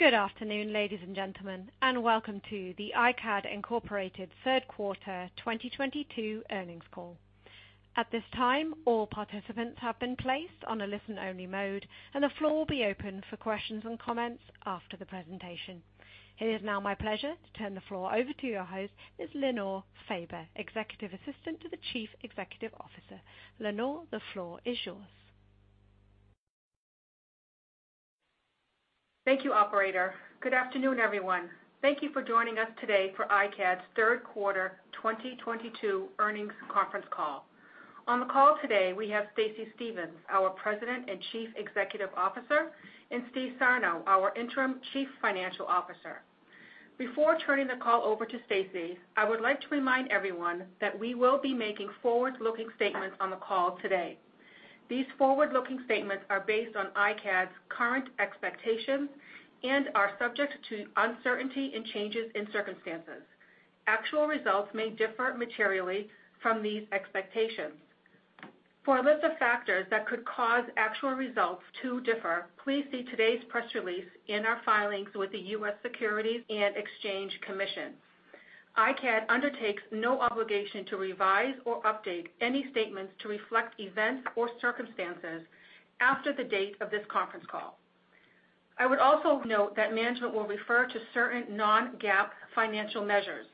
Good afternoon, ladies and gentlemen, and welcome to the iCAD, Inc. third quarter 2022 earnings call. At this time, all participants have been placed on a listen-only mode, and the floor will be open for questions and comments after the presentation. It is now my pleasure to turn the floor over to your host, Ms. Linnell Faber, Executive Assistant to the Chief Executive Officer. Linnell, the floor is yours. Thank you, operator. Good afternoon, everyone. Thank you for joining us today for iCAD's third quarter 2022 earnings conference call. On the call today, we have Stacey Stevens, our President and Chief Executive Officer, and Steve Sarno, our interim Chief Financial Officer. Before turning the call over to Stacey, I would like to remind everyone that we will be making forward-looking statements on the call today. These forward-looking statements are based on iCAD's current expectations and are subject to uncertainty and changes in circumstances. Actual results may differ materially from these expectations. For a list of factors that could cause actual results to differ, please see today's press release in our filings with the U.S. Securities and Exchange Commission. iCAD undertakes no obligation to revise or update any statements to reflect events or circumstances after the date of this conference call. I would also note that management will refer to certain non-GAAP financial measures.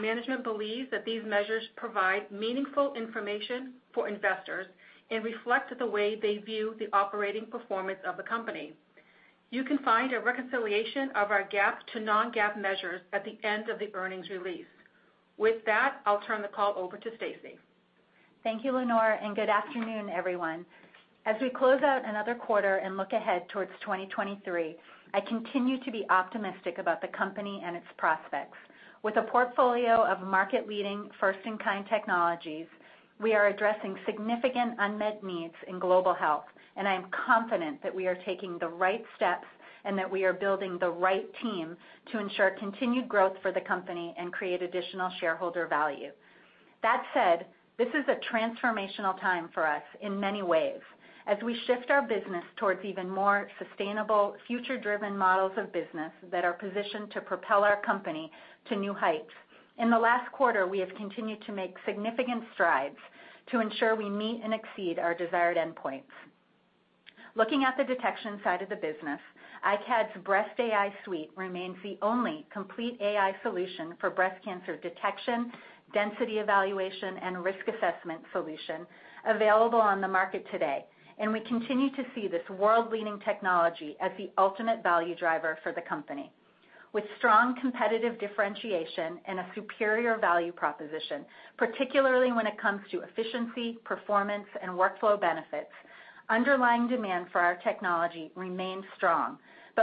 Management believes that these measures provide meaningful information for investors and reflect the way they view the operating performance of the company. You can find a reconciliation of our GAAP to non-GAAP measures at the end of the earnings release. With that, I'll turn the call over to Stacey. Thank you, Linnell, and good afternoon, everyone. As we close out another quarter and look ahead towards 2023, I continue to be optimistic about the company and its prospects. With a portfolio of market-leading first-in-kind technologies, we are addressing significant unmet needs in global health, and I am confident that we are taking the right steps and that we are building the right team to ensure continued growth for the company and create additional shareholder value. That said, this is a transformational time for us in many ways as we shift our business towards even more sustainable, future-driven models of business that are positioned to propel our company to new heights. In the last quarter, we have continued to make significant strides to ensure we meet and exceed our desired endpoints. Looking at the detection side of the business, iCAD's Breast AI Suite remains the only complete AI solution for breast cancer detection, density evaluation, and risk assessment solution available on the market today. We continue to see this world-leading technology as the ultimate value driver for the company. With strong competitive differentiation and a superior value proposition, particularly when it comes to efficiency, performance, and workflow benefits, underlying demand for our technology remains strong.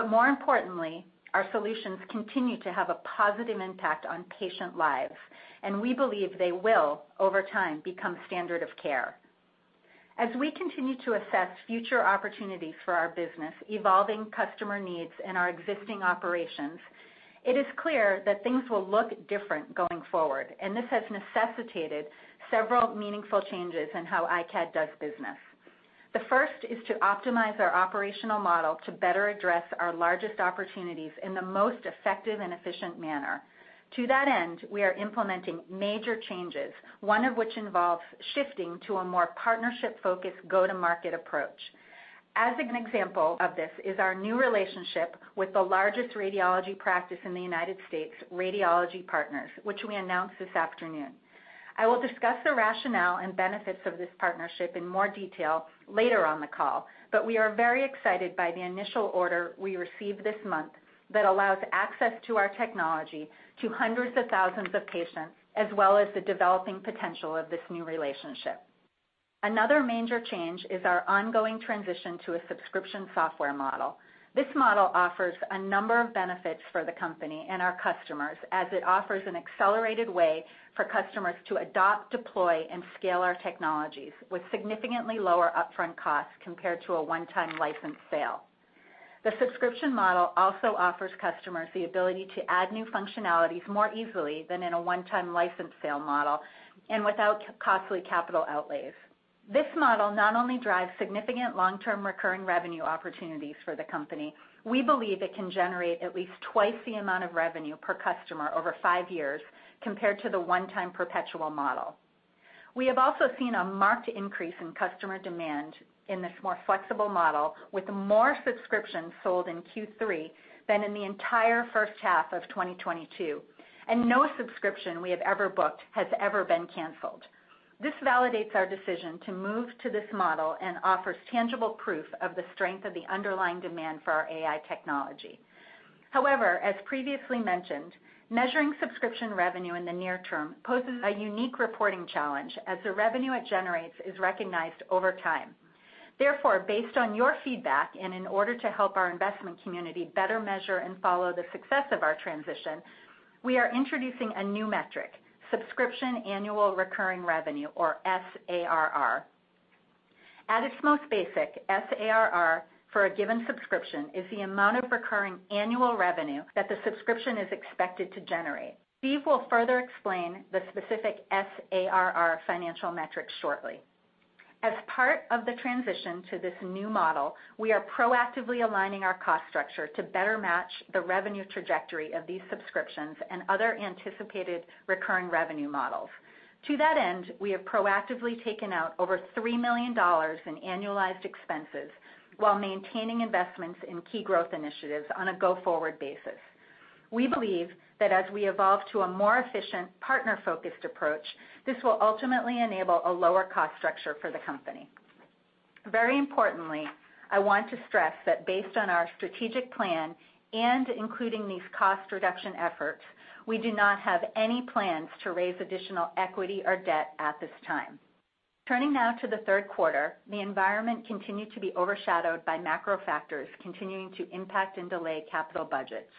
More importantly, our solutions continue to have a positive impact on patient lives, and we believe they will, over time, become standard of care. As we continue to assess future opportunities for our business, evolving customer needs in our existing operations, it is clear that things will look different going forward, and this has necessitated several meaningful changes in how iCAD does business. The first is to optimize our operational model to better address our largest opportunities in the most effective and efficient manner. To that end, we are implementing major changes, one of which involves shifting to a more partnership-focused go-to-market approach. As an example of this is our new relationship with the largest radiology practice in the United States, Radiology Partners, which we announced this afternoon. I will discuss the rationale and benefits of this partnership in more detail later on the call, but we are very excited by the initial order we received this month that allows access to our technology to hundreds of thousands of patients, as well as the developing potential of this new relationship. Another major change is our ongoing transition to a subscription software model. This model offers a number of benefits for the company and our customers as it offers an accelerated way for customers to adopt, deploy, and scale our technologies with significantly lower upfront costs compared to a one-time license sale. The subscription model also offers customers the ability to add new functionalities more easily than in a one-time license sale model and without costly capital outlays. This model not only drives significant long-term recurring revenue opportunities for the company, we believe it can generate at least twice the amount of revenue per customer over five years compared to the one-time perpetual model. We have also seen a marked increase in customer demand in this more flexible model with more subscriptions sold in Q3 than in the entire first half of 2022, and no subscription we have ever booked has ever been canceled. This validates our decision to move to this model and offers tangible proof of the strength of the underlying demand for our AI technology. However, as previously mentioned, measuring subscription revenue in the near term poses a unique reporting challenge as the revenue it generates is recognized over time. Therefore, based on your feedback and in order to help our investment community better measure and follow the success of our transition, we are introducing a new metric, subscription annual recurring revenue, or SARR. At its most basic, SARR for a given subscription is the amount of recurring annual revenue that the subscription is expected to generate. Steve will further explain the specific SARR financial metrics shortly. As part of the transition to this new model, we are proactively aligning our cost structure to better match the revenue trajectory of these subscriptions and other anticipated recurring revenue models. To that end, we have proactively taken out over $3 million in annualized expenses while maintaining investments in key growth initiatives on a go-forward basis. We believe that as we evolve to a more efficient partner-focused approach, this will ultimately enable a lower cost structure for the company. Very importantly, I want to stress that based on our strategic plan and including these cost reduction efforts, we do not have any plans to raise additional equity or debt at this time. Turning now to the third quarter, the environment continued to be overshadowed by macro factors continuing to impact and delay capital budgets,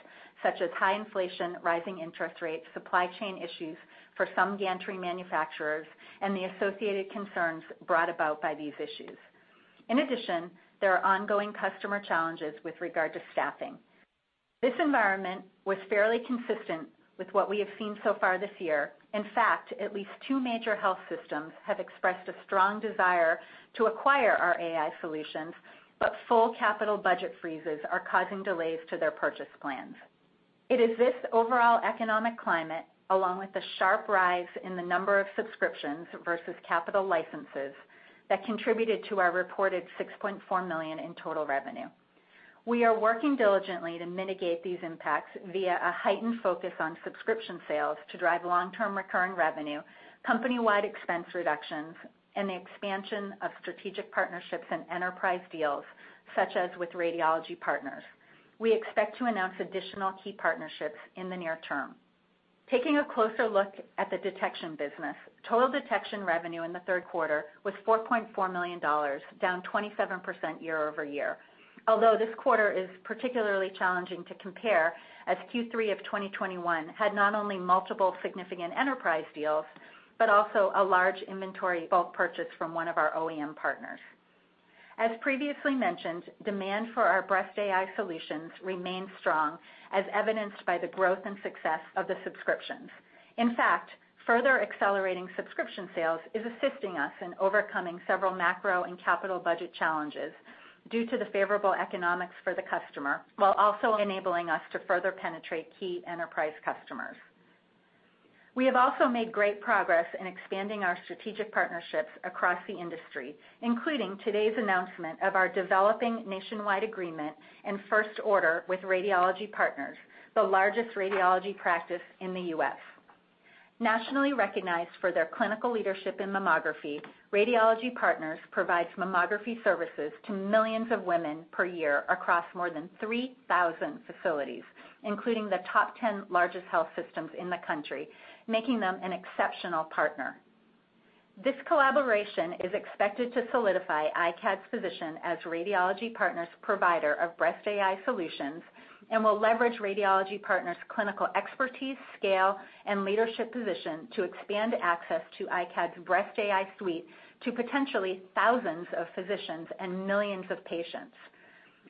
such as high inflation, rising interest rates, supply chain issues for some gantry manufacturers, and the associated concerns brought about by these issues. In addition, there are ongoing customer challenges with regard to staffing. This environment was fairly consistent with what we have seen so far this year. In fact, at least two major health systems have expressed a strong desire to acquire our AI solutions, but full capital budget freezes are causing delays to their purchase plans. It is this overall economic climate, along with the sharp rise in the number of subscriptions versus capital licenses, that contributed to our reported $6.4 million in total revenue. We are working diligently to mitigate these impacts via a heightened focus on subscription sales to drive long-term recurring revenue, company-wide expense reductions, and the expansion of strategic partnerships and enterprise deals, such as with Radiology Partners. We expect to announce additional key partnerships in the near term. Taking a closer look at the detection business. Total detection revenue in the third quarter was $4.4 million, down 27% year-over-year. Although this quarter is particularly challenging to compare as Q3 of 2021 had not only multiple significant enterprise deals, but also a large inventory bulk purchase from one of our OEM partners. As previously mentioned, demand for our breast AI solutions remains strong, as evidenced by the growth and success of the subscriptions. In fact, further accelerating subscription sales is assisting us in overcoming several macro and capital budget challenges due to the favorable economics for the customer, while also enabling us to further penetrate key enterprise customers. We have also made great progress in expanding our strategic partnerships across the industry, including today's announcement of our developing nationwide agreement and first order with Radiology Partners, the largest radiology practice in the U.S. Nationally recognized for their clinical leadership in mammography, Radiology Partners provides mammography services to millions of women per year across more than 3,000 facilities, including the top 10 largest health systems in the country, making them an exceptional partner. This collaboration is expected to solidify iCAD's position as Radiology Partners' provider of breast AI solutions and will leverage Radiology Partners' clinical expertise, scale, and leadership position to expand access to iCAD's breast AI suite to potentially thousands of physicians and millions of patients.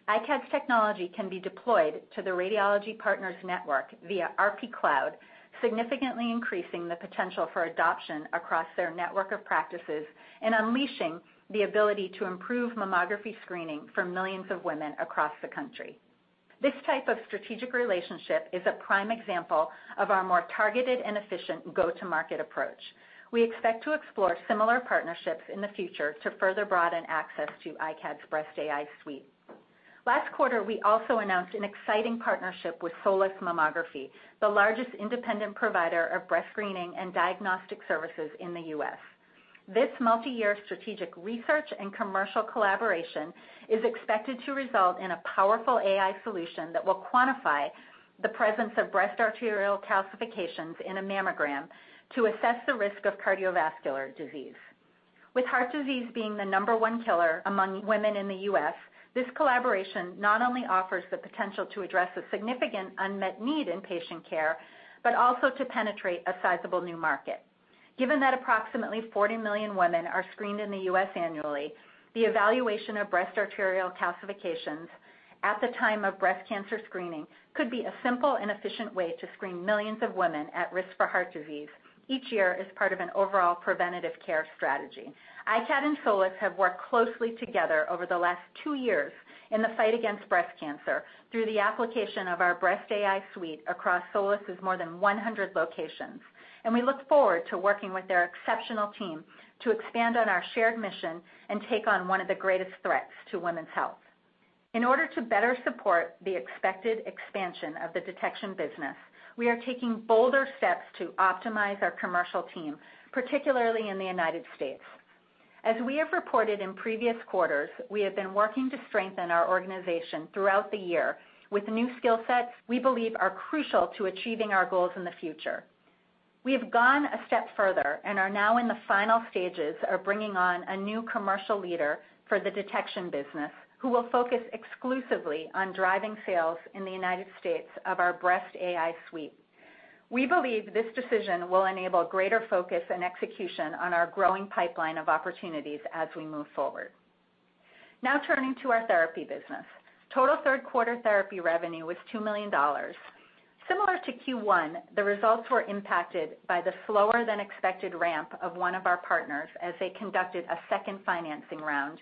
iCAD's technology can be deployed to the Radiology Partners network via RP Cloud, significantly increasing the potential for adoption across their network of practices and unleashing the ability to improve mammography screening for millions of women across the country. This type of strategic relationship is a prime example of our more targeted and efficient go-to-market approach. We expect to explore similar partnerships in the future to further broaden access to iCAD's Breast AI Suite. Last quarter, we also announced an exciting partnership with Solis Mammography, the largest independent provider of breast screening and diagnostic services in the U.S. This multi-year strategic research and commercial collaboration is expected to result in a powerful AI solution that will quantify the presence of breast arterial calcifications in a mammogram to assess the risk of cardiovascular disease. With heart disease being the number one killer among women in the U.S., this collaboration not only offers the potential to address a significant unmet need in patient care, but also to penetrate a sizable new market. Given that approximately 40 million women are screened in the U.S. annually, the evaluation of breast arterial calcifications at the time of breast cancer screening could be a simple and efficient way to screen millions of women at risk for heart disease each year as part of an overall preventive care strategy. iCAD and Solis have worked closely together over the last two years in the fight against breast cancer through the application of our Breast AI Suite across Solis' more than 100 locations, and we look forward to working with their exceptional team to expand on our shared mission and take on one of the greatest threats to women's health. In order to better support the expected expansion of the detection business, we are taking bolder steps to optimize our commercial team, particularly in the United States. As we have reported in previous quarters, we have been working to strengthen our organization throughout the year with new skill sets we believe are crucial to achieving our goals in the future. We have gone a step further and are now in the final stages of bringing on a new commercial leader for the detection business who will focus exclusively on driving sales in the United States of our Breast AI Suite. We believe this decision will enable greater focus and execution on our growing pipeline of opportunities as we move forward. Now turning to our therapy business. Total third quarter therapy revenue was $2 million. Similar to Q1, the results were impacted by the slower than expected ramp of one of our partners as they conducted a second financing round,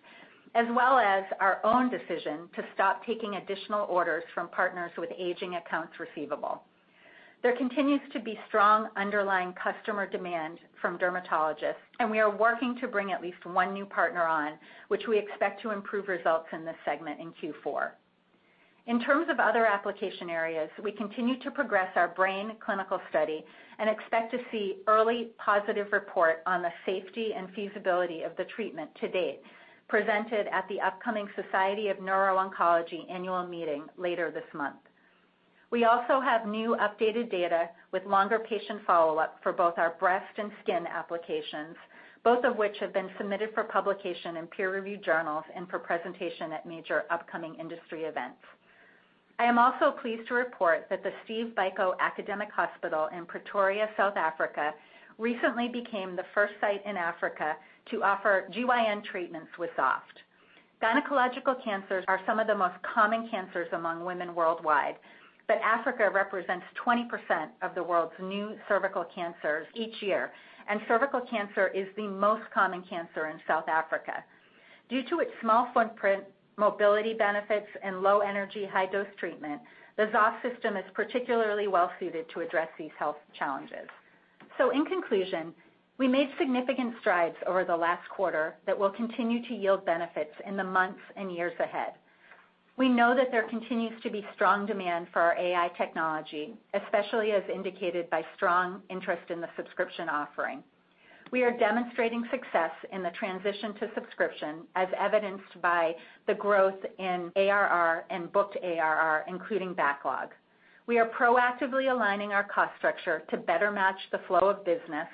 as well as our own decision to stop taking additional orders from partners with aging accounts receivable. There continues to be strong underlying customer demand from dermatologists, and we are working to bring at least one new partner on which we expect to improve results in this segment in Q4. In terms of other application areas, we continue to progress our brain clinical study and expect to see early positive report on the safety and feasibility of the treatment to date presented at the upcoming Society for Neuro-Oncology annual meeting later this month. We also have new updated data with longer patient follow-up for both our breast and skin applications, both of which have been submitted for publication in peer-reviewed journals and for presentation at major upcoming industry events. I am also pleased to report that the Steve Biko Academic Hospital in Pretoria, South Africa, recently became the first site in Africa to offer GYN treatments with Xoft. Gynecological cancers are some of the most common cancers among women worldwide, but Africa represents 20% of the world's new cervical cancers each year, and cervical cancer is the most common cancer in South Africa. Due to its small footprint, mobility benefits, and low energy, high dose treatment, the Xoft system is particularly well suited to address these health challenges. In conclusion, we made significant strides over the last quarter that will continue to yield benefits in the months and years ahead. We know that there continues to be strong demand for our AI technology, especially as indicated by strong interest in the subscription offering. We are demonstrating success in the transition to subscription, as evidenced by the growth in ARR and booked ARR, including backlog. We are proactively aligning our cost structure to better match the flow of business.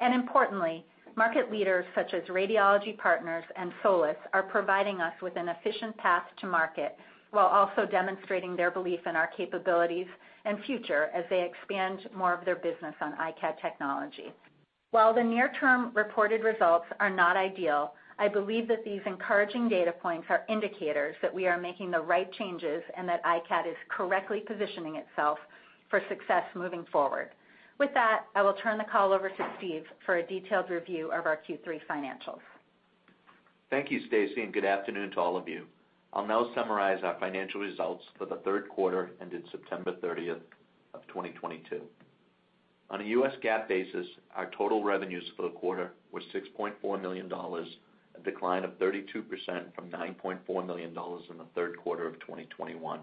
Importantly, market leaders such as Radiology Partners and Solis are providing us with an efficient path to market while also demonstrating their belief in our capabilities and future as they expand more of their business on iCAD technology. While the near term reported results are not ideal, I believe that these encouraging data points are indicators that we are making the right changes and that iCAD is correctly positioning itself for success moving forward. With that, I will turn the call over to Steve for a detailed review of our Q3 financials. Thank you, Stacey, and good afternoon to all of you. I'll now summarize our financial results for the third quarter ended September 30th of 2022. On a U.S. GAAP basis, our total revenues for the quarter were $6.4 million, a decline of 32% from $9.4 million in the third quarter of 2021.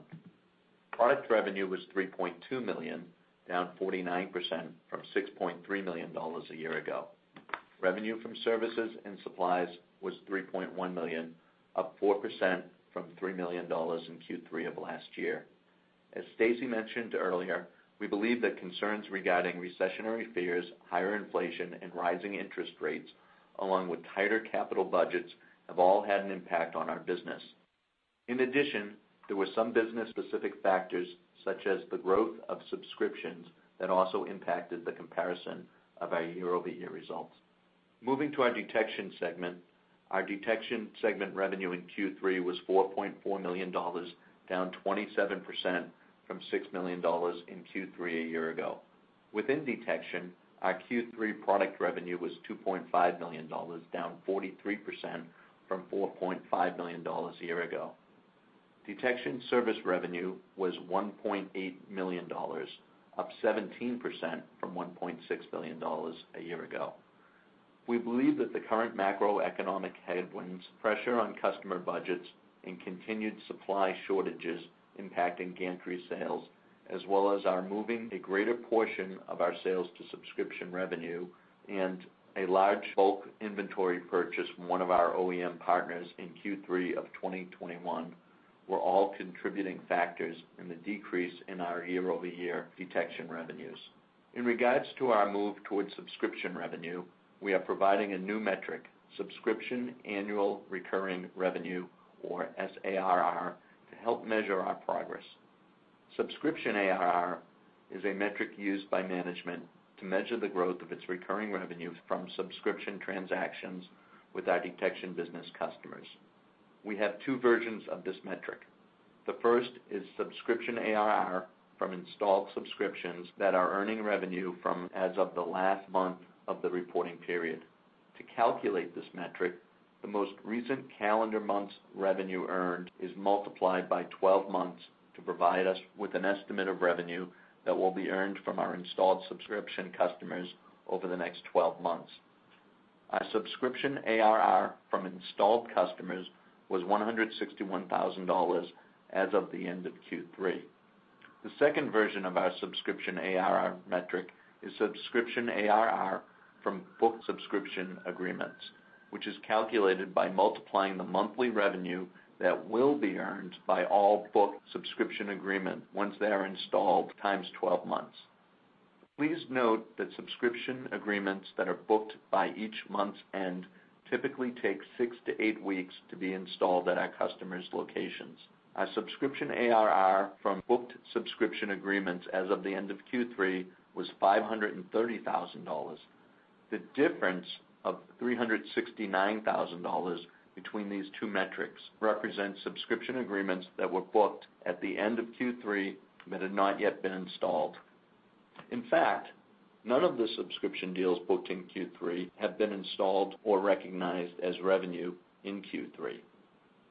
Product revenue was $3.2 million, down 49% from $6.3 million a year ago. Revenue from services and supplies was $3.1 million, up 4% from $3 million in Q3 of last year. As Stacey mentioned earlier, we believe that concerns regarding recessionary fears, higher inflation, and rising interest rates, along with tighter capital budgets, have all had an impact on our business. In addition, there were some business specific factors, such as the growth of subscriptions, that also impacted the comparison of our year-over-year results. Moving to our detection segment. Our detection segment revenue in Q3 was $4.4 million, down 27% from $6 million in Q3 a year ago. Within detection, our Q3 product revenue was $2.5 million, down 43% from $4.5 million a year ago. Detection service revenue was $1.8 million, up 17% from $1.6 million a year ago. We believe that the current macroeconomic headwinds, pressure on customer budgets, and continued supply shortages impacting gantry sales, as well as our moving a greater portion of our sales to subscription revenue and a large bulk inventory purchase from one of our OEM partners in Q3 of 2021, were all contributing factors in the decrease in our year-over-year detection revenues. In regards to our move towards subscription revenue, we are providing a new metric, subscription annual recurring revenue or SARR, to help measure our progress. Subscription ARR is a metric used by management to measure the growth of its recurring revenues from subscription transactions with our detection business customers. We have two versions of this metric. The first is subscription ARR from installed subscriptions that are earning revenue from as of the last month of the reporting period. To calculate this metric, the most recent calendar month's revenue earned is multiplied by 12 months to provide us with an estimate of revenue that will be earned from our installed subscription customers over the next 12 months. Our subscription ARR from installed customers was $161,000 as of the end of Q3. The second version of our subscription ARR metric is subscription ARR from booked subscription agreements, which is calculated by multiplying the monthly revenue that will be earned by all booked subscription agreements once they are installed times 12 months. Please note that subscription agreements that are booked by each month's end typically take 6-8 weeks to be installed at our customers' locations. Our subscription ARR from booked subscription agreements as of the end of Q3 was $530,000. The difference of $369,000 between these two metrics represents subscription agreements that were booked at the end of Q3 that had not yet been installed. In fact, none of the subscription deals booked in Q3 have been installed or recognized as revenue in Q3.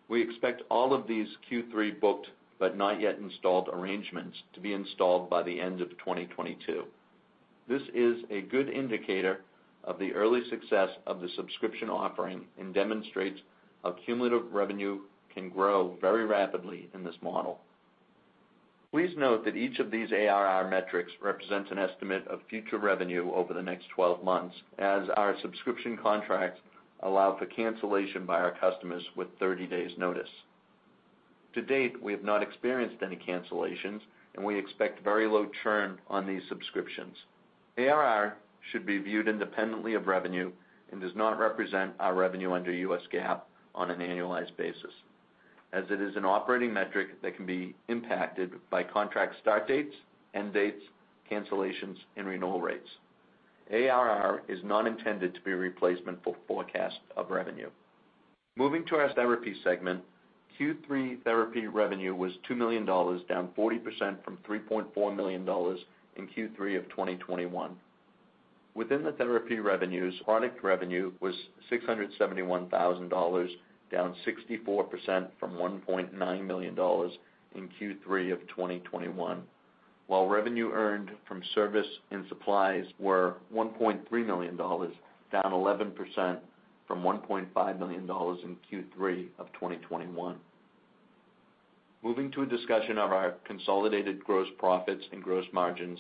We expect all of these Q3 booked, but not yet installed arrangements to be installed by the end of 2022. This is a good indicator of the early success of the subscription offering and demonstrates how cumulative revenue can grow very rapidly in this model. Please note that each of these ARR metrics represents an estimate of future revenue over the next 12 months as our subscription contracts allow for cancellation by our customers with 30 days notice. To date, we have not experienced any cancellations, and we expect very low churn on these subscriptions. ARR should be viewed independently of revenue and does not represent our revenue under U.S. GAAP on an annualized basis, as it is an operating metric that can be impacted by contract start dates, end dates, cancellations, and renewal rates. ARR is not intended to be a replacement for forecast of revenue. Moving to our therapy segment, Q3 therapy revenue was $2 million, down 40% from $3.4 million in Q3 of 2021. Within the therapy revenues, product revenue was $671,000, down 64% from $1.9 million in Q3 of 2021. While revenue earned from service and supplies were $1.3 million, down 11% from $1.5 million in Q3 of 2021. Moving to a discussion of our consolidated gross profits and gross margins.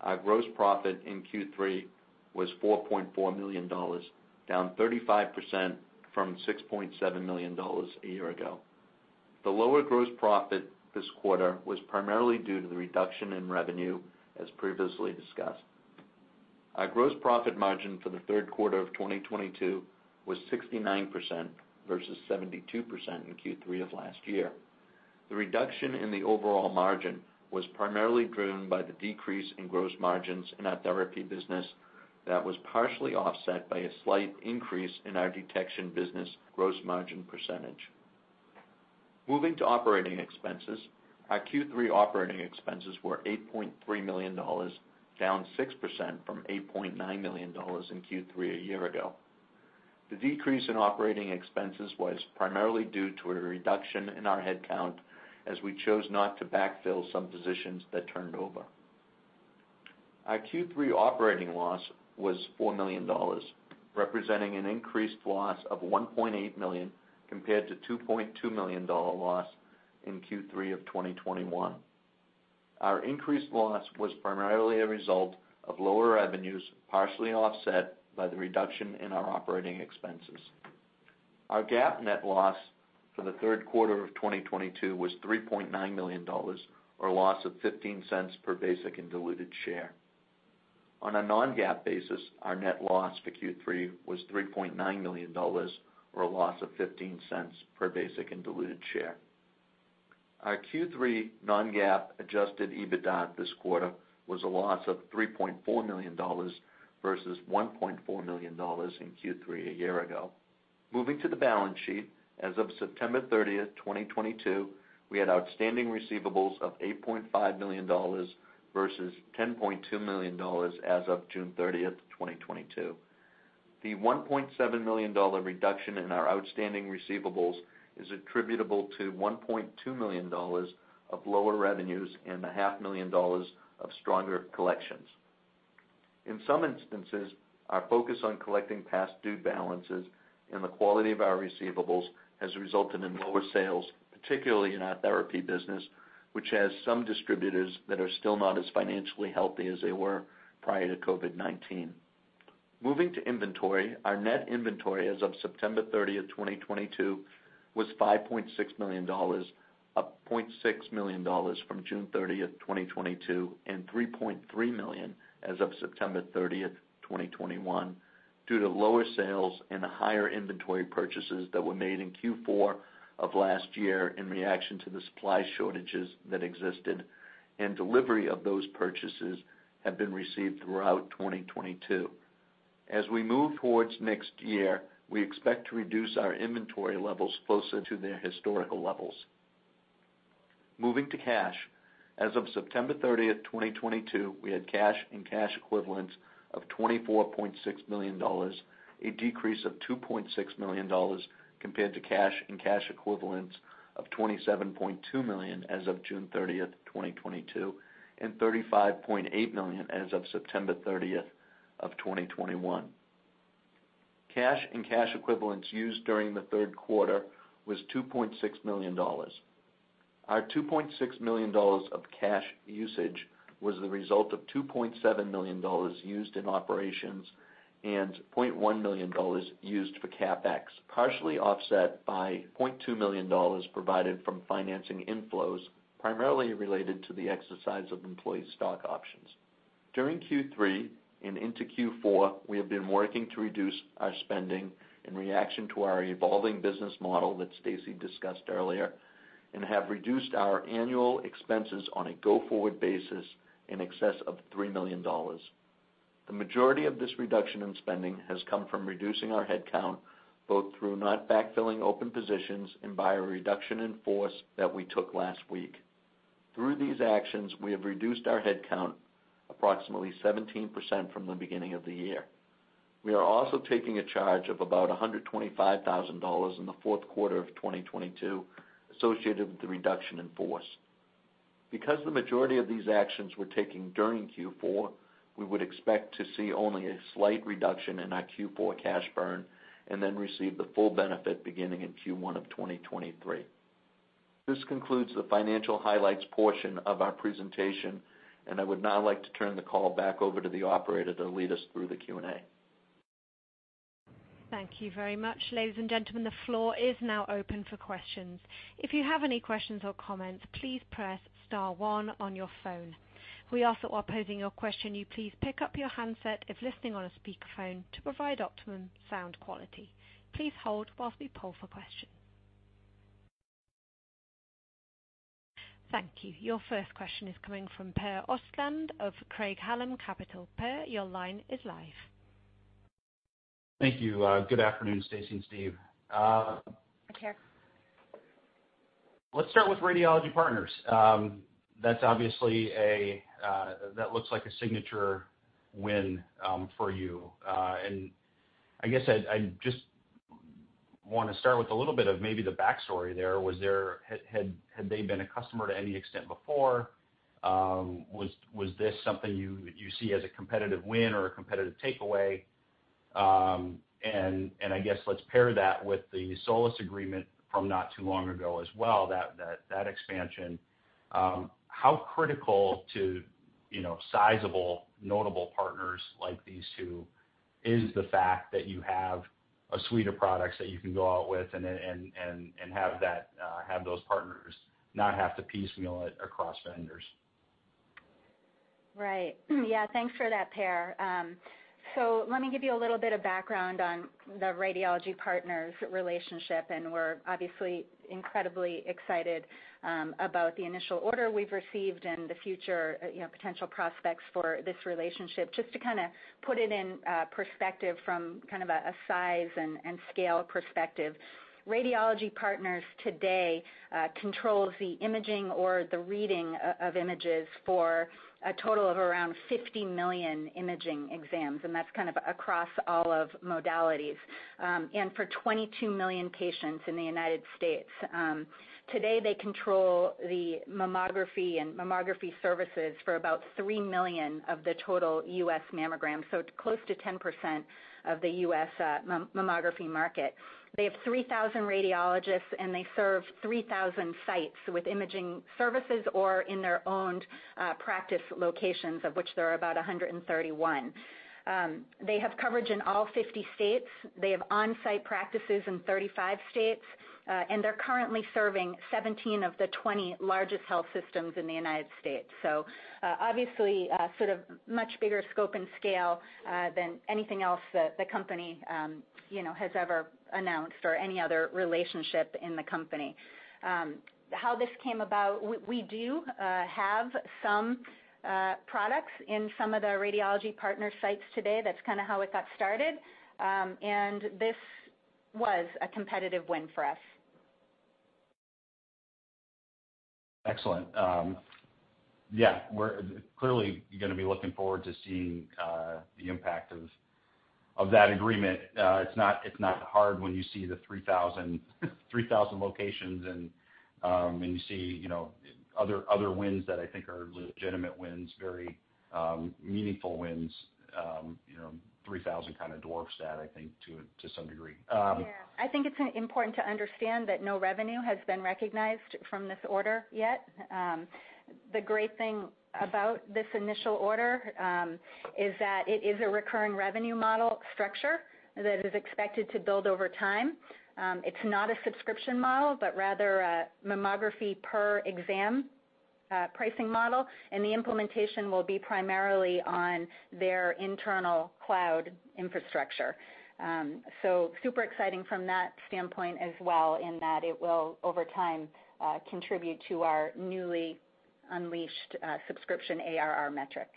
Our gross profit in Q3 was $4.4 million, down 35% from $6.7 million a year ago. The lower gross profit this quarter was primarily due to the reduction in revenue, as previously discussed. Our gross profit margin for the third quarter of 2022 was 69% versus 72% in Q3 of last year. The reduction in the overall margin was primarily driven by the decrease in gross margins in our therapy business that was partially offset by a slight increase in our detection business gross margin percentage. Moving to operating expenses. Our Q3 operating expenses were $8.3 million, down 6% from $8.9 million in Q3 a year ago. The decrease in operating expenses was primarily due to a reduction in our headcount as we chose not to backfill some positions that turned over. Our Q3 operating loss was $4 million, representing an increased loss of $1.8 million compared to $2.2 million-dollar loss in Q3 of 2021. Our increased loss was primarily a result of lower revenues, partially offset by the reduction in our operating expenses. Our GAAP net loss for the third quarter of 2022 was $3.9 million, or a loss of $0.15 per basic and diluted share. On a non-GAAP basis, our net loss for Q3 was $3.9 million, or a loss of $0.15 per basic and diluted share. Our Q3 non-GAAP adjusted EBITDA this quarter was a loss of $3.4 million versus $1.4 million in Q3 a year ago. Moving to the balance sheet, as of September 30, 2022, we had outstanding receivables of $8.5 million versus $10.2 million as of June 30, 2022. The $1.7 million reduction in our outstanding receivables is attributable to $1.2 million of lower revenues and a half million dollars of stronger collections. In some instances, our focus on collecting past due balances and the quality of our receivables has resulted in lower sales, particularly in our therapy business, which has some distributors that are still not as financially healthy as they were prior to COVID-19. Moving to inventory. Our net inventory as of September 30, 2022 was $5.6 million, up $0.6 million from June 30, 2022, and $3.3 million as of September 30, 2021, due to lower sales and higher inventory purchases that were made in Q4 of last year in reaction to the supply shortages that existed, and delivery of those purchases have been received throughout 2022. As we move towards next year, we expect to reduce our inventory levels closer to their historical levels. Moving to cash. As of September 30, 2022, we had cash and cash equivalents of $24.6 million, a decrease of $2.6 million compared to cash and cash equivalents of $27.2 million as of June 30, 2022, and $35.8 million as of September 30, 2021. Cash and cash equivalents used during the third quarter was $2.6 million. Our $2.6 million of cash usage was the result of $2.7 million used in operations and $0.1 million used for CapEx, partially offset by $0.2 million provided from financing inflows, primarily related to the exercise of employee stock options. During Q3 and into Q4, we have been working to reduce our spending in reaction to our evolving business model that Stacey discussed earlier. We have reduced our annual expenses on a go-forward basis in excess of $3 million. The majority of this reduction in spending has come from reducing our headcount, both through not backfilling open positions and by a reduction in force that we took last week. Through these actions, we have reduced our headcount approximately 17% from the beginning of the year. We are also taking a charge of about $125,000 in the fourth quarter of 2022 associated with the reduction in force. Because the majority of these actions were taken during Q4, we would expect to see only a slight reduction in our Q4 cash burn and then receive the full benefit beginning in Q1 of 2023. This concludes the financial highlights portion of our presentation, and I would now like to turn the call back over to the operator to lead us through the Q&A. Thank you very much. Ladies and gentlemen, the floor is now open for questions. If you have any questions or comments, please press star one on your phone. We ask that while posing your question, you please pick up your handset if listening on a speaker phone to provide optimum sound quality. Please hold while we poll for questions. Thank you. Your first question is coming from Per Ostlund of Craig-Hallum Capital Group. Per, your line is live. Thank you. Good afternoon, Stacey and Steve. Hi, Per. Let's start with Radiology Partners. That's obviously a signature win for you. I guess I just wanna start with a little bit of maybe the backstory there. Had they been a customer to any extent before? Was this something you see as a competitive win or a competitive takeaway? I guess let's pair that with the Solis agreement from not too long ago as well that expansion. How critical to you know sizable notable partners like these two is the fact that you have a suite of products that you can go out with and have those partners not have to piecemeal it across vendors? Right. Yeah, thanks for that, Per. So let me give you a little bit of background on the Radiology Partners relationship, and we're obviously incredibly excited about the initial order we've received and the future, you know, potential prospects for this relationship. Just to kinda put it in perspective from kind of a size and scale perspective, Radiology Partners today controls the imaging or the reading of images for a total of around 50 million imaging exams, and that's kind of across all of modalities, and for 22 million patients in the United States. Today they control the mammography services for about 3 million of the total U.S. mammograms, so close to 10% of the U.S. mammography market. They have 3,000 radiologists, and they serve 3,000 sites with imaging services or in their owned practice locations, of which there are about 131. They have coverage in all 50 states. They have on-site practices in 35 states, and they are currently serving 17 of the 20 largest health systems in the United States. Obviously, sort of much bigger scope and scale than anything else the company you know has ever announced or any other relationship in the company. How this came about, we do have some products in some of the Radiology Partners sites today. That's kinda how it got started. This was a competitive win for us. Excellent. Yeah, we're clearly gonna be looking forward to seeing the impact of that agreement. It's not hard when you see the 3,000 locations and you see you know other wins that I think are legitimate wins, very meaningful wins. You know, 3,000 kinda dwarfs that, I think, to some degree. Yeah. I think it's important to understand that no revenue has been recognized from this order yet. The great thing about this initial order is that it is a recurring revenue model structure that is expected to build over time. It's not a subscription model, but rather a mammography per exam pricing model, and the implementation will be primarily on their internal cloud infrastructure. Super exciting from that standpoint as well in that it will over time contribute to our newly unleashed subscription ARR metric.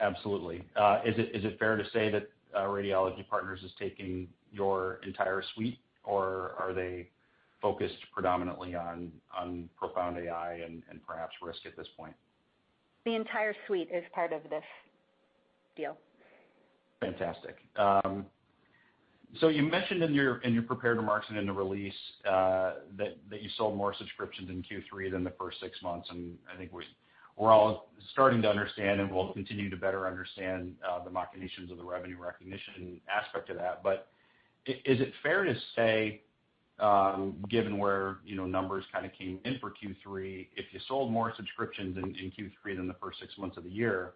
Absolutely. Is it fair to say that Radiology Partners is taking your entire suite, or are they focused predominantly on ProFound AI and perhaps risk at this point? The entire suite is part of this deal. Fantastic. So you mentioned in your prepared remarks and in the release, that you sold more subscriptions in Q3 than the first six months, and I think we're all starting to understand and will continue to better understand the machinations of the revenue recognition aspect of that. Is it fair to say, given where, you know, numbers kinda came in for Q3, if you sold more subscriptions in Q3 than the first six months of the year,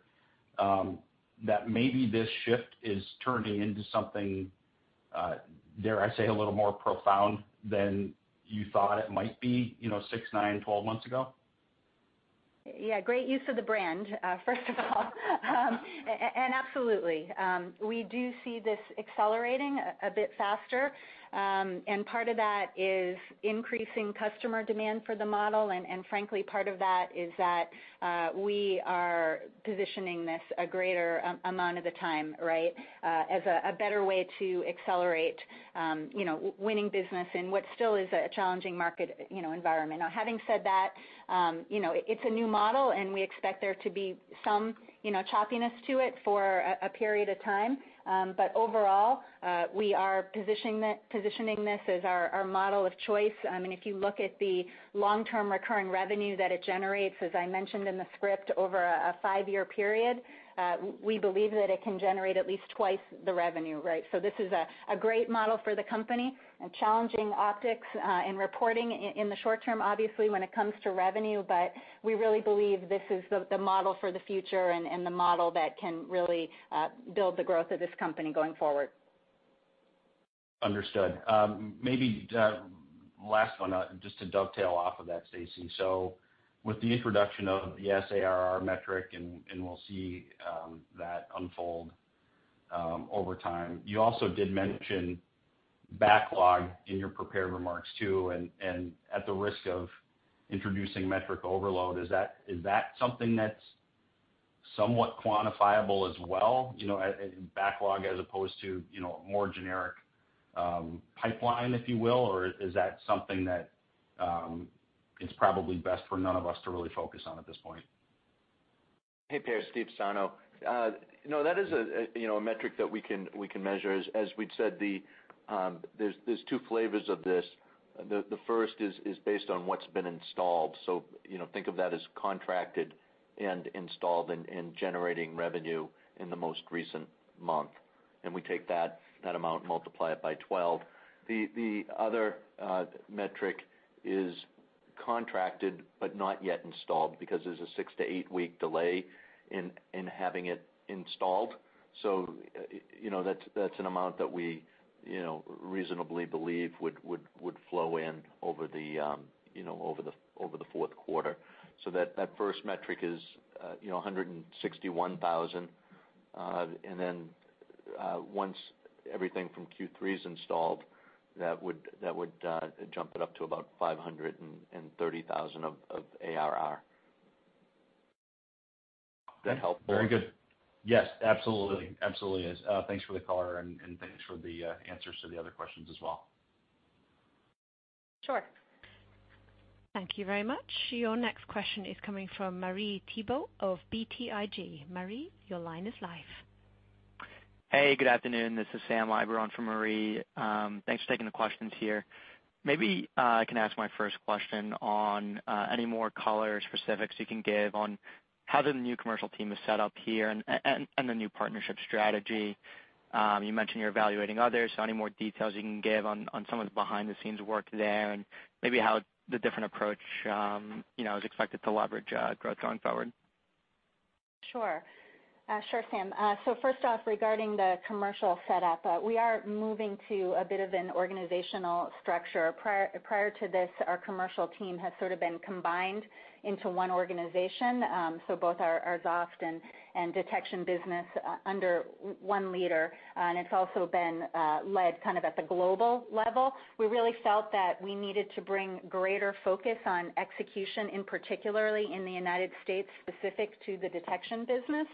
that maybe this shift is turning into something, dare I say, a little more profound than you thought it might be, you know, six, nine, 12 months ago? Yeah, great use of the brand, first of all. Absolutely, we do see this accelerating a bit faster. Part of that is increasing customer demand for the model, and frankly, part of that is that we are positioning this a greater amount of the time, right, as a better way to accelerate, you know, winning business in what still is a challenging market, you know, environment. Now, having said that, you know, it's a new model, and we expect there to be some, you know, choppiness to it for a period of time. Overall, we are positioning this as our model of choice. I mean, if you look at the long-term recurring revenue that it generates, as I mentioned in the script, over a five-year period, we believe that it can generate at least twice the revenue, right? This is a great model for the company, a challenging optics in reporting in the short term, obviously when it comes to revenue. We really believe this is the model for the future and the model that can really build the growth of this company going forward. Understood. Maybe last one just to dovetail off of that, Stacey. With the introduction of the ARR metric, and we'll see that unfold over time. You also did mention backlog in your prepared remarks, too, and at the risk of introducing metric overload, is that something that's somewhat quantifiable as well, you know, as a backlog as opposed to, you know, a more generic pipeline, if you will? Or is that something that is probably best for none of us to really focus on at this point? Hey, Per, Steve Sarno. No, that is a metric that we can measure. As we'd said, there's two flavors of this. The first is based on what's been installed, so you know, think of that as contracted and installed and generating revenue in the most recent month. We take that amount and multiply it by 12. The other metric is contracted but not yet installed because there's a 6-8 week delay in having it installed. You know, that's an amount that we you know, reasonably believe would flow in over the fourth quarter. That first metric is $161,000. Once everything from Q3 is installed, that would jump it up to about 530,000 of ARR. That helpful? Very good. Yes, absolutely. Absolutely is. Thanks for the color, and thanks for the answers to the other questions as well. Sure. Thank you very much. Your next question is coming from Marie Thibault of BTIG. Marie, your line is live. Hey, good afternoon. This is Sam Eiber for Marie Thibault. Thanks for taking the questions here. Maybe I can ask my first question on any more color or specifics you can give on how the new commercial team is set up here and the new partnership strategy. You mentioned you're evaluating others, so any more details you can give on some of the behind-the-scenes work there and maybe how the different approach, you know, is expected to leverage growth going forward? Sure. Sure, Sam. First off, regarding the commercial setup, we are moving to a bit of an organizational structure. Prior to this, our commercial team has sort of been combined into one organization, so both our Xoft and Detection business under one leader, and it's also been led kind of at the global level. We really felt that we needed to bring greater focus on execution, and particularly in the United States, specific to the Detection business.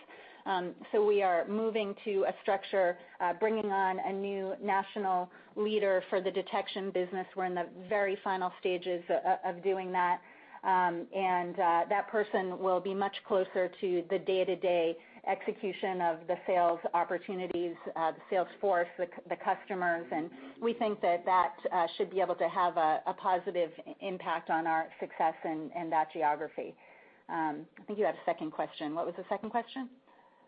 We are moving to a structure, bringing on a new national leader for the Detection business. We're in the very final stages of doing that. That person will be much closer to the day-to-day execution of the sales opportunities, the sales force, the customers, and we think that should be able to have a positive impact on our success in that geography. I think you had a second question. What was the second question?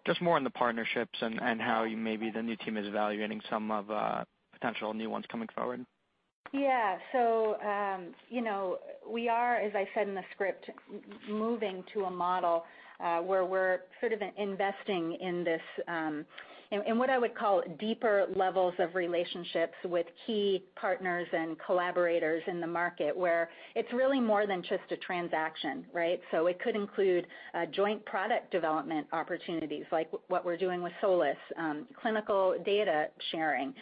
Just more on the partnerships and how maybe the new team is evaluating some of potential new ones coming forward. Yeah. You know, we are, as I said in the script, moving to a model, where we're sort of investing in this, in what I would call deeper levels of relationships with key partners and collaborators in the market where it's really more than just a transaction, right? It could include joint product development opportunities like what we're doing with Solis, clinical data sharing,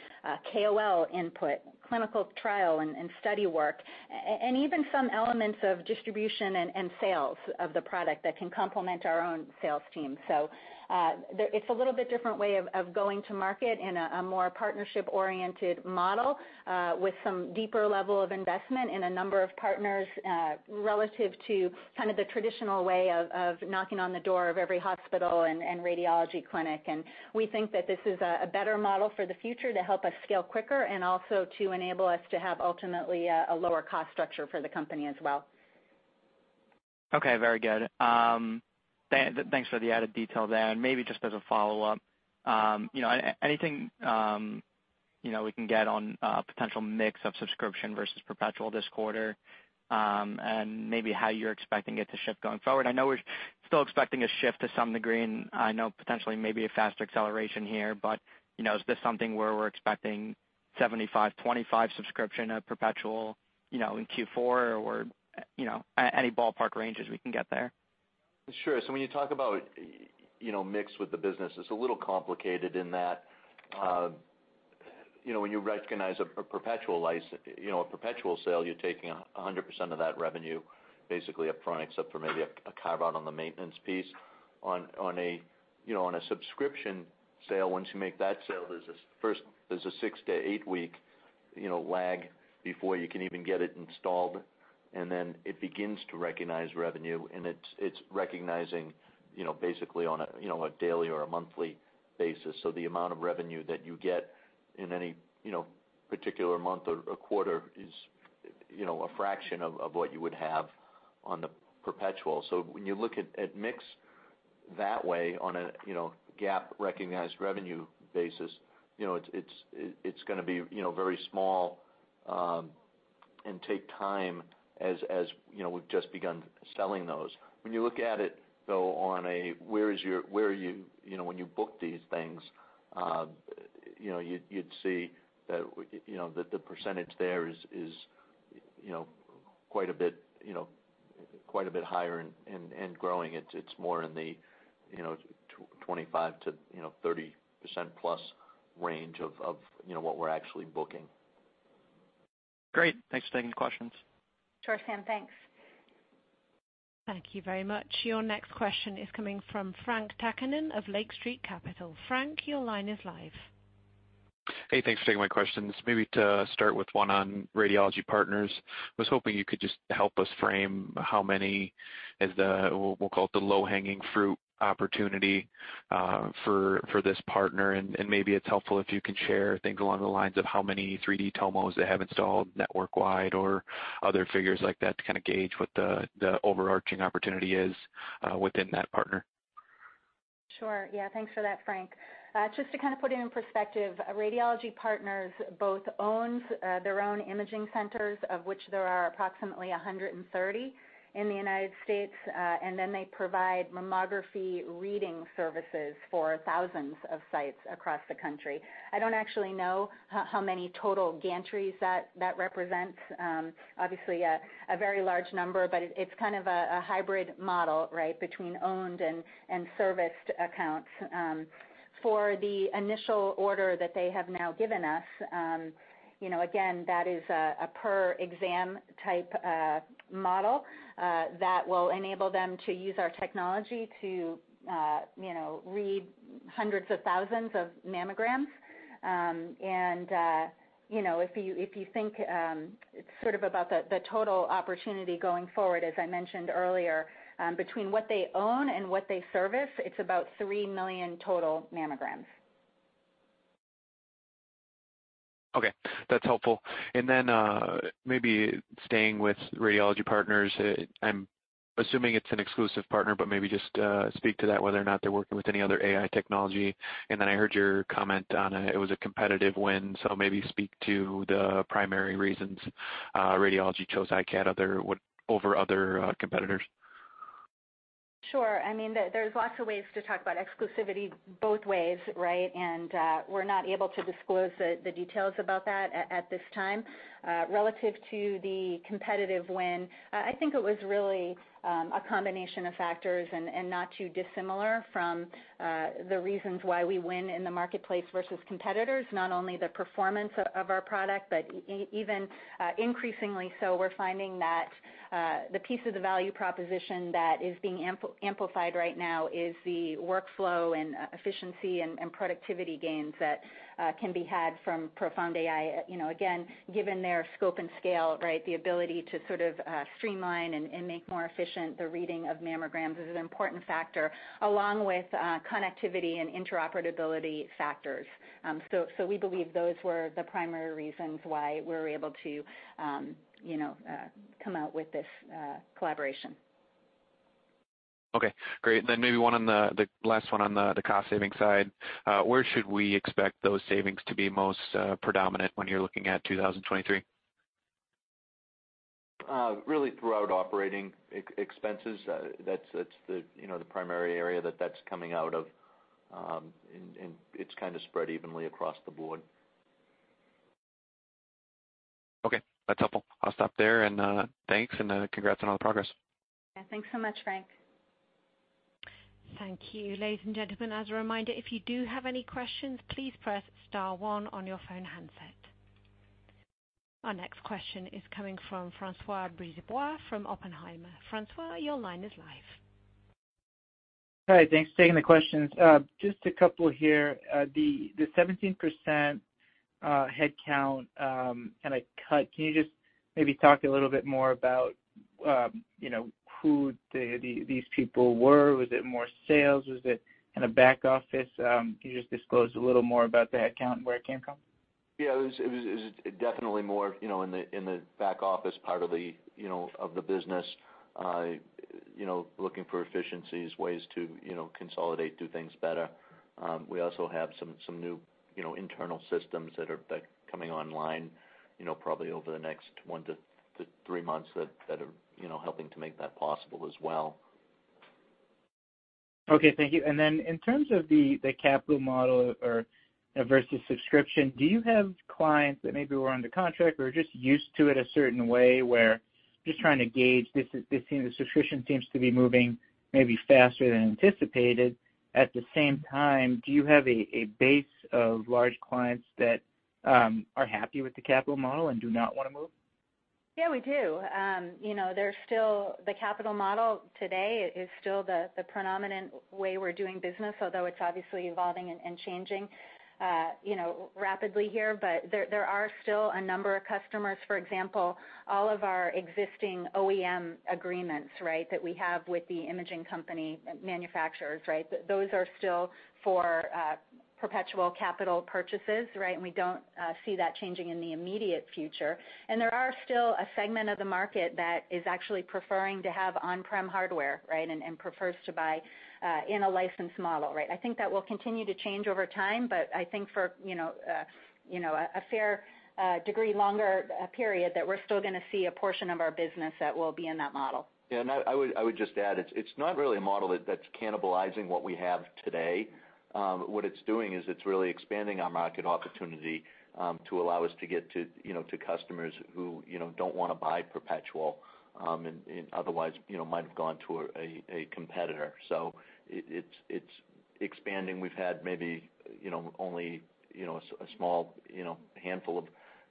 KOL input, clinical trial and study work, and even some elements of distribution and sales of the product that can complement our own sales team. It's a little bit different way of going to market in a more partnership-oriented model, with some deeper level of investment in a number of partners, relative to kind of the traditional way of knocking on the door of every hospital and radiology clinic. We think that this is a better model for the future to help us scale quicker and also to enable us to have ultimately a lower cost structure for the company as well. Okay, very good. Thanks for the added detail there. Maybe just as a follow-up, you know, anything, you know, we can get on potential mix of subscription versus perpetual this quarter, and maybe how you're expecting it to shift going forward? I know we're- Still expecting a shift to some degree, and I know potentially maybe a faster acceleration here. You know, is this something where we're expecting 75, 25 subscription, a perpetual, you know, in Q4 or, you know, any ballpark ranges we can get there? Sure. When you talk about, you know, mix with the business, it's a little complicated in that, you know, when you recognize a perpetual sale, you're taking 100% of that revenue basically upfront, except for maybe a carve-out on the maintenance piece. On a subscription sale, once you make that sale, there's first a 6- to 8-week lag before you can even get it installed, and then it begins to recognize revenue, and it's recognizing, you know, basically on a daily or a monthly basis. The amount of revenue that you get in any particular month or quarter is, you know, a fraction of what you would have on the perpetual. When you look at mix that way on a GAAP recognized revenue basis, you know, it's gonna be very small and take time as you know, we've just begun selling those. When you look at it, though, on a where are you know, when you book these things, you know, you'd see that, you know, that the percentage there is you know quite a bit you know quite a bit higher and growing. It's more in the you know 25%-30%+ range of you know what we're actually booking. Great. Thanks for taking the questions. Sure, Sam. Thanks. Thank you very much. Your next question is coming from Frank Takkinen of Lake Street Capital. Frank, your line is live. Hey, thanks for taking my questions. Maybe to start with one on Radiology Partners. I was hoping you could just help us frame how many is the, we'll call it the low-hanging fruit opportunity, for this partner. Maybe it's helpful if you can share things along the lines of how many 3D Tomos they have installed network-wide or other figures like that to kinda gauge what the overarching opportunity is, within that partner. Sure. Yeah. Thanks for that, Frank. Just to kind of put it in perspective, Radiology Partners both owns their own imaging centers, of which there are approximately 130 in the United States, and then they provide mammography reading services for thousands of sites across the country. I don't actually know how many total gantries that represents. Obviously, a very large number, but it's kind of a hybrid model, right, between owned and serviced accounts. For the initial order that they have now given us, you know, again, that is a per exam type model that will enable them to use our technology to, you know, read hundreds of thousands of mammograms. You know, if you think sort of about the total opportunity going forward, as I mentioned earlier, between what they own and what they service, it's about 3 million total mammograms. Okay. That's helpful. Maybe staying with Radiology Partners, I'm assuming it's an exclusive partner, but maybe just speak to that whether or not they're working with any other AI technology. I heard your comment on it was a competitive win, so maybe speak to the primary reasons Radiology chose iCAD over other competitors. Sure. I mean, there's lots of ways to talk about exclusivity both ways, right? We're not able to disclose the details about that at this time. Relative to the competitive win, I think it was really a combination of factors and not too dissimilar from the reasons why we win in the marketplace versus competitors, not only the performance of our product, but even increasingly so we're finding that the piece of the value proposition that is being amplified right now is the workflow and efficiency and productivity gains that can be had from ProFound AI. You know, again, given their scope and scale, right, the ability to sort of streamline and make more efficient the reading of mammograms is an important factor, along with connectivity and interoperability factors. We believe those were the primary reasons why we're able to, you know, come out with this collaboration. Okay, great. Maybe one on the last one on the cost-saving side. Where should we expect those savings to be most predominant when you're looking at 2023? Really throughout operating expenses. That's the primary area that's coming out of, and it's kinda spread evenly across the board. Okay. That's helpful. I'll stop there, and thanks, and congrats on all the progress. Yeah, thanks so much, Frank. Thank you. Ladies and gentlemen, as a reminder, if you do have any questions, please press star one on your phone handset. Our next question is coming from François Brisebois from Oppenheimer. François, your line is live. Hi. Thanks for taking the questions. Just a couple here. The 17% headcount kinda cut, can you just maybe talk a little bit more about, you know, who these people were? Was it more sales? Was it in a back office? Can you just disclose a little more about that count and where it came from? Yeah, it was definitely more, you know, in the back office part of the business, you know, looking for efficiencies, ways to, you know, consolidate, do things better. We also have some new, you know, internal systems that are coming online, you know, probably over the next one to three months that are, you know, helping to make that possible as well. Okay. Thank you. In terms of the capital model or versus subscription, do you have clients that maybe were under contract or are just used to it a certain way where just trying to gauge this you know subscription seems to be moving maybe faster than anticipated. At the same time, do you have a base of large clients that are happy with the capital model and do not wanna move? Yeah, we do. You know, there's still the capital model today is still the predominant way we're doing business, although it's obviously evolving and changing, you know, rapidly here. There are still a number of customers, for example, all of our existing OEM agreements, right, that we have with the imaging company manufacturers, right? Those are still for perpetual capital purchases, right? We don't see that changing in the immediate future. There are still a segment of the market that is actually preferring to have on-prem hardware, right? Prefers to buy in a license model, right? I think that will continue to change over time, but I think for you know a fair degree longer period that we're still gonna see a portion of our business that will be in that model. Yeah. I would just add, it's not really a model that's cannibalizing what we have today. What it's doing is it's really expanding our market opportunity to allow us to get to, you know, to customers who, you know, don't wanna buy perpetual and otherwise, you know, might have gone to a competitor. It's expanding. We've had maybe, you know, only, you know, a small, you know, handful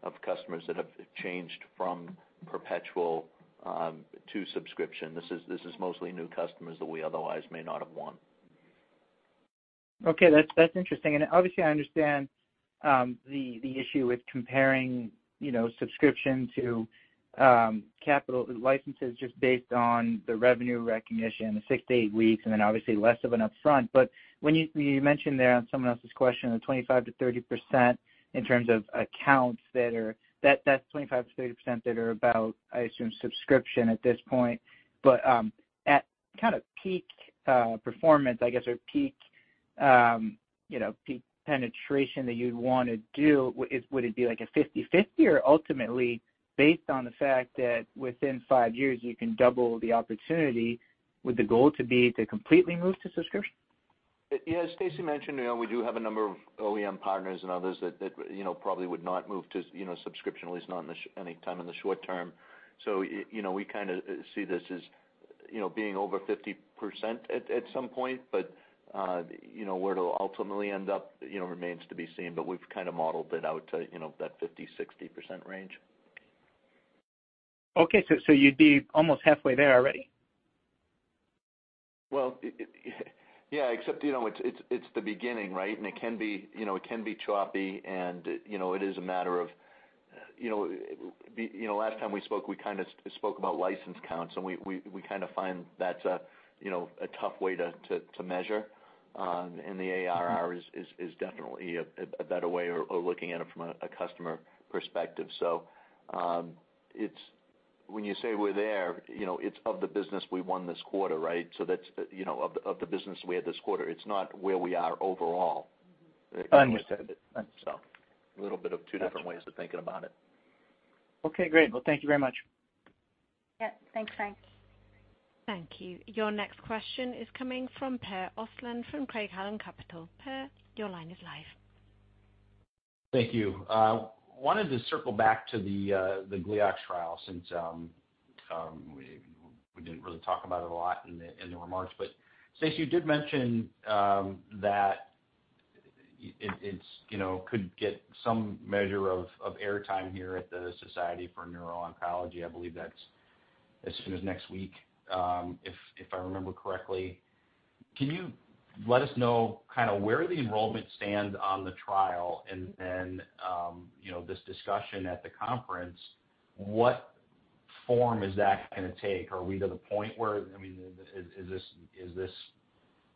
of customers that have changed from perpetual to subscription. This is mostly new customers that we otherwise may not have won. Okay. That's interesting. Obviously, I understand the issue with comparing, you know, subscription to capital licenses just based on the revenue recognition, the 6-8 weeks, and then obviously less of an upfront. When you mentioned there on someone else's question, the 25%-30% in terms of accounts that are that 25%-30% that are about, I assume, subscription at this point. At kind of peak performance, I guess, or peak, you know, peak penetration that you'd wanna do, would it be like a 50/50? Or ultimately based on the fact that within 5 years you can double the opportunity, would the goal to be to completely move to subscription? Yeah. Stacey mentioned, you know, we do have a number of OEM partners and others that you know, probably would not move to subscription, at least not in the short term. You know, we kinda see this as, you know, being over 50% at some point, but you know, where it'll ultimately end up, you know, remains to be seen, but we've kind of modeled it out to, you know, that 50%-60% range. Okay. You'd be almost halfway there already? Well, yeah, except, you know, it's the beginning, right? It can be, you know, choppy and, you know, it is a matter of, you know. You know, last time we spoke, we kinda spoke about license counts, and we kinda find that's a, you know, a tough way to measure. The ARR is definitely a better way or looking at it from a customer perspective. When you say we're there, you know, it's of the business we won this quarter, right? That's, you know, of the business we had this quarter. It's not where we are overall. Understood. A little bit of two different ways of thinking about it. Okay, great. Well, thank you very much. Yeah. Thanks, Frank. Thank you. Your next question is coming from Per Ostlund from Craig-Hallum Capital Group. Per, your line is live. Thank you. Wanted to circle back to the GliaSite trial since we didn't really talk about it a lot in the remarks. Stacey, you did mention that it's, you know, could get some measure of airtime here at the Society for Neuro-Oncology. I believe that's as soon as next week, if I remember correctly. Can you let us know kinda where the enrollment stands on the trial and then, you know, this discussion at the conference, what form is that gonna take? Are we to the point where, I mean, is this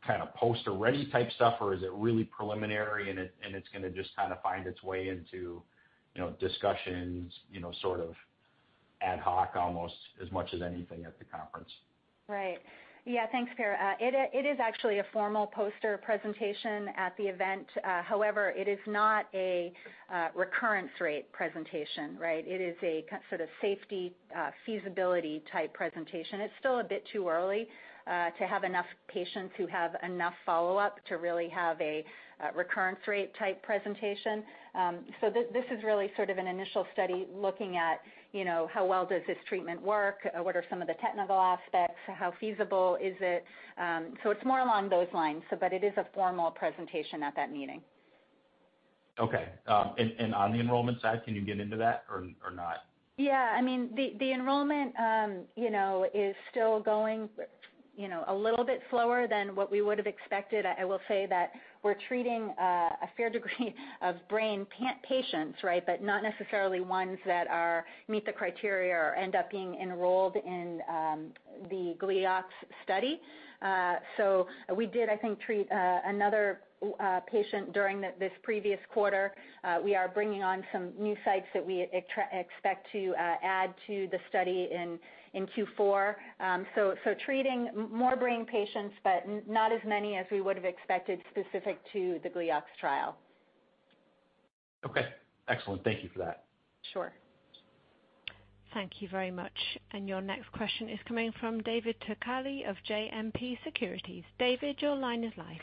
kind of poster-ready type stuff, or is it really preliminary and it's gonna just kinda find its way into, you know, discussions, you know, sort of ad hoc almost as much as anything at the conference? Right. Yeah. Thanks, Per. It is actually a formal poster presentation at the event. However, it is not a recurrence rate presentation, right? It is a sort of safety, feasibility type presentation. It's still a bit too early to have enough patients who have enough follow-up to really have a recurrence rate type presentation. This is really sort of an initial study looking at, you know, how well does this treatment work, what are some of the technical aspects, how feasible is it? It's more along those lines, so but it is a formal presentation at that meeting. Okay. On the enrollment side, can you get into that or not? Yeah. I mean, the enrollment, you know, is still going, you know, a little bit slower than what we would've expected. I will say that we're treating a fair degree of brain patients, right? Not necessarily ones that meet the criteria or end up being enrolled in the GliaSite study. We did, I think, treat another patient during this previous quarter. We are bringing on some new sites that we expect to add to the study in Q4. Treating more brain patients, but not as many as we would've expected specific to the GliaSite trial. Okay, excellent. Thank you for that. Sure. Thank you very much. Your next question is coming from David Turkaly of JMP Securities. David, your line is live.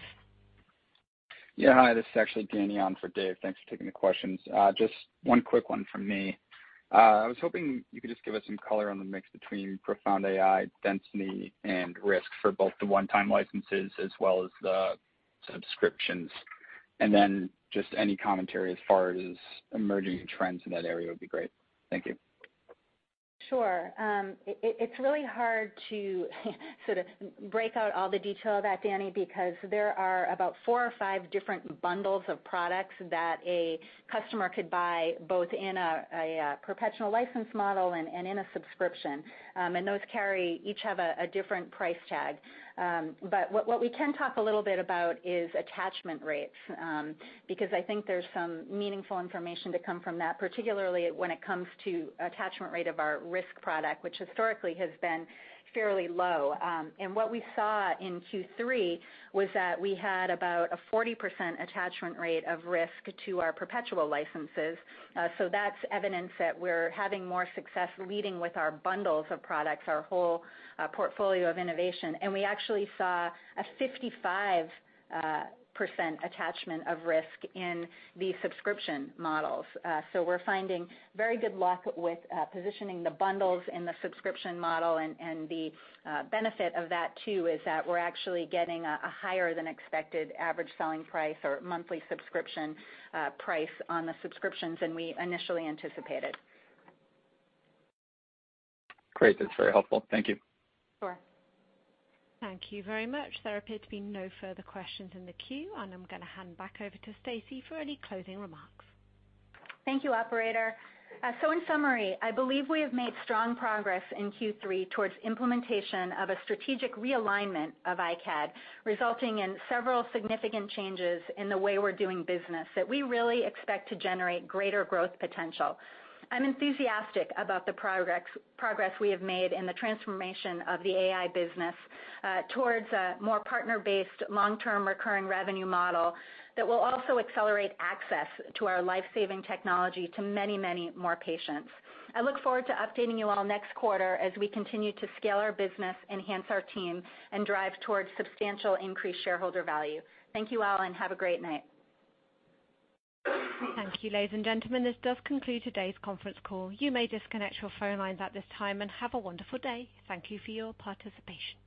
Yeah, hi. This is actually Danny on for Dave. Thanks for taking the questions. Just one quick one from me. I was hoping you could just give us some color on the mix between ProFound AI density and risk for both the one-time licenses as well as the subscriptions. Just any commentary as far as emerging trends in that area would be great. Thank you. Sure. It's really hard to sort of break out all the detail of that, Danny, because there are about four or five different bundles of products that a customer could buy, both in a perpetual license model and in a subscription. Those each have a different price tag. What we can talk a little bit about is attachment rates, because I think there's some meaningful information to come from that, particularly when it comes to attachment rate of our risk product, which historically has been fairly low. What we saw in Q3 was that we had about a 40% attachment rate of risk to our perpetual licenses. That's evidence that we're having more success leading with our bundles of products, our whole portfolio of innovation. We actually saw a 55% attachment of risk in the subscription models. We're finding very good luck with positioning the bundles in the subscription model and the benefit of that too is that we're actually getting a higher than expected average selling price or monthly subscription price on the subscriptions than we initially anticipated. Great. That's very helpful. Thank you. Sure. Thank you very much. There appear to be no further questions in the queue, and I'm gonna hand back over to Stacey for any closing remarks. Thank you, operator. In summary, I believe we have made strong progress in Q3 towards implementation of a strategic realignment of iCAD, resulting in several significant changes in the way we're doing business that we really expect to generate greater growth potential. I'm enthusiastic about the progress we have made in the transformation of the AI business towards a more partner-based long-term recurring revenue model that will also accelerate access to our life-saving technology to many, many more patients. I look forward to updating you all next quarter as we continue to scale our business, enhance our team, and drive towards substantial increased shareholder value. Thank you all, and have a great night. Thank you. Ladies and gentlemen, this does conclude today's conference call. You may disconnect your phone lines at this time, and have a wonderful day. Thank you for your participation.